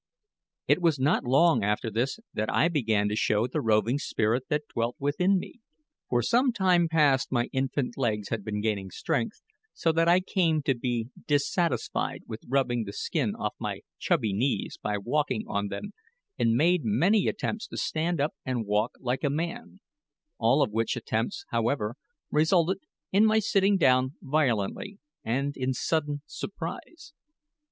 It was not long after this that I began to show the roving spirit that dwelt within me. For some time past my infant legs had been gaining strength, so that I came to be dissatisfied with rubbing the skin off my chubby knees by walking on them, and made many attempts to stand up and walk like a man all of which attempts, however, resulted in my sitting down violently and in sudden surprise.